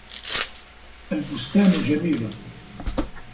الْبُسْتَانُ جَمِيلٌ.